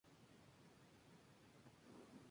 Nació en el año del gran incendio de Valladolid.